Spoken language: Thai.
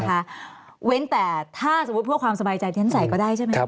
เว้นแต่ถ้าสมมุติเพื่อความสบายใจที่ฉันใส่ก็ได้ใช่ไหมครับ